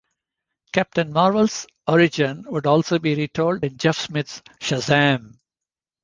Captain Marvel's origin would also be retold in Jeff Smith's Shazam!